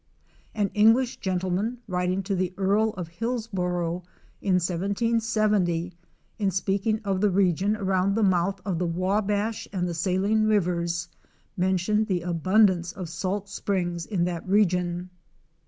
An English gentleman writing to the Earl of Hillsboro in 1770, in speaking of the region around the mouth of the Wabash and the Saline rivers, mentioned the abundance of salt springs in that region.